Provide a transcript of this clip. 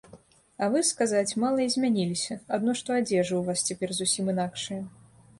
А вы, сказаць, мала і змяніліся, адно што адзежа ў вас цяпер зусім інакшая.